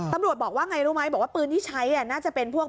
ตำรวจบอกว่าไงรู้ไหมบอกว่าปืนที่ใช้น่าจะเป็นพวก